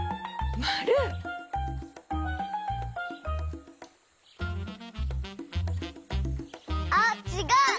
まる！あっちがう！